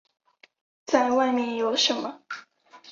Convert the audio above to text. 再外面有什么